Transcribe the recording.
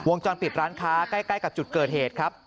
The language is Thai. จรปิดร้านค้าใกล้กับจุดเกิดเหตุครับ